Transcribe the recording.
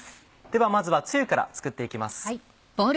ではまずはつゆから作って行きます。